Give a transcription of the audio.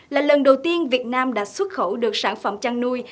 là lần đầu tiên việt nam đã xuất khẩu được sản phẩm chăn nuôi